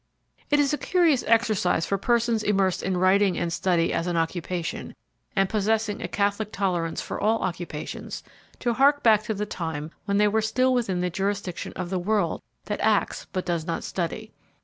It is a curious exercise for persons immersed in writing and study as an occupation, and possessing a catholic tolerance for all occupations, to hark back to the time when they were still within the jurisdiction of the world that acts but does not study.